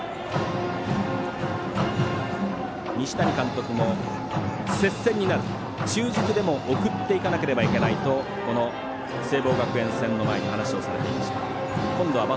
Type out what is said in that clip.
西谷監督も接戦になると中軸でも送っていかなければいけないとこの聖望学園戦の前に話をされていました。